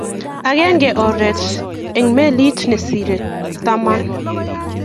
Agenge oret eng' mailit ne sirei taman